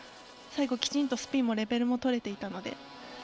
最後きちんとスピンのレベルも取れていたので。